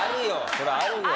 それあるよ。